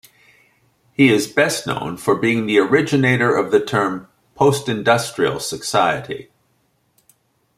He is best known for being the originator of the term "post-industrial society".